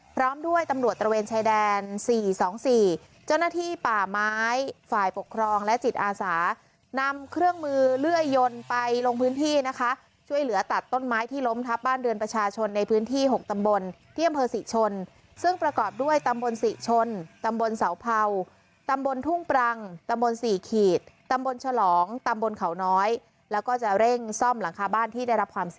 พร้อมด้วยตำรวจตระเวนชายแดน๔๒๔เจ้าหน้าที่ป่าไม้ฝ่ายปกครองและจิตอาสานำเครื่องมือเลื่อยยนต์ไปลงพื้นที่นะคะช่วยเหลือตัดต้นไม้ที่ล้มทับบ้านเรือนประชาชนในพื้นที่๖ตำบลที่อำเภอศรีชนซึ่งประกอบด้วยตำบลศรีชนตำบลเสาเผาตำบลทุ่งปรังตำบล๔ขีดตำบลฉลองตำบลเขาน้อยแล้วก็จะเร่งซ่อมหลังคาบ้านที่ได้รับความ